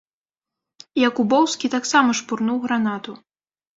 Якубоўскі таксама шпурнуў гранату.